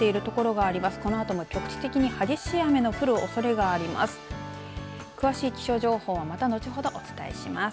このあとも局地的に激しい雨の降るおそれがあります。